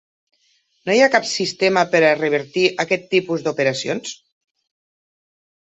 No hi ha cap sistema per a revertir aquest tipus d’operacions?